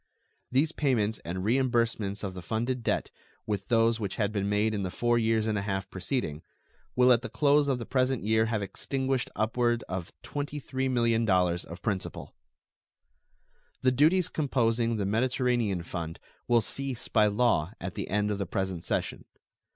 These payments and reimbursements of the funded debt, with those which had been made in the four years and a half preceding, will at the close of the present year have extinguished upward of $23 millions of principal. The duties composing the Mediterranean fund will cease by law at the end of the present session.